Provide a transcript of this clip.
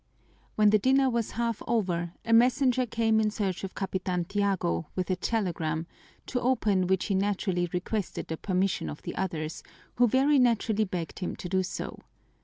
When the dinner was half over, a messenger came in search of Capitan Tiago with a telegram, to open which he naturally requested the permission of the others, who very naturally begged him to do so.